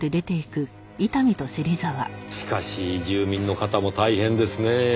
しかし住民の方も大変ですねぇ。